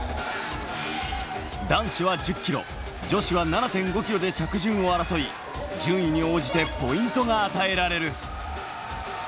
男子は１０ｋｍ、女子は７．５ｋｍで着順を争い、順位に応じてポイントが与えられる。